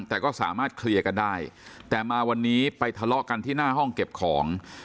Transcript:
แต่ก็สามารถเคลียร์กันได้แต่มาวันนี้ไปทะเลาะกันที่หน้าห้องเก็บของ